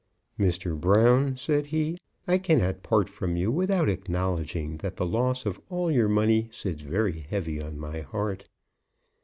"Mr. Brown," said he, "I cannot part from you without acknowledging that the loss of all your money sits very heavy on my heart."